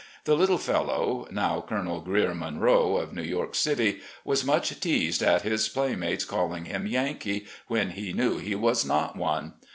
The little fellow, now Colonel Grier Monroe, of New York city, was much teased at his playmates calling him "Yankee" when he knew he was not one.